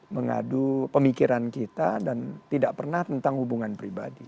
mengadu pemikiran kita dan tidak pernah tentang hubungan pribadi